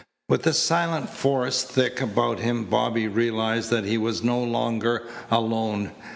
With the silent forest thick about him Bobby realized that he was no longer alone.